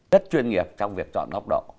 rất chuyên nghiệp trong việc chọn góc độ